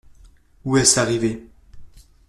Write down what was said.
Où est-ce arrivé ?